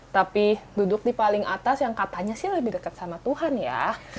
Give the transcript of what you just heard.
tapi duduk di paling atas yang katanya sih lebih dekat sama tuhan ya